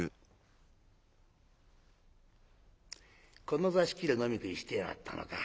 「この座敷で飲み食いしてやがったのか。